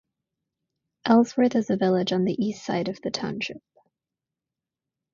Ellsworth is a village on the east side of the township.